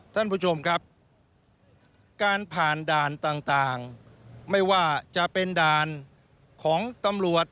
ท่านผู้ชมครับการผ่านด่านต่างไม่ว่าจะเป็นด่านของตำรวจ